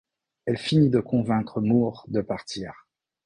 Elle finit de convaincre Moore de partir.